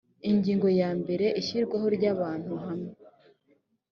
ingingo yambere ishyirwaho ry ahantu hamwe